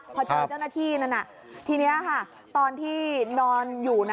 พอเจอเจ้าหน้าที่นั้นทีนี้ค่ะตอนที่นอนอยู่นะ